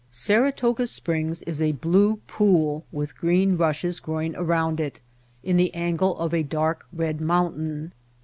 Saratoga Springs is a blue pool with green rushes growing around it, in the angle of a dark red mountain.